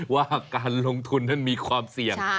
ว่าการลงทุนนั้นมีความเสี่ยง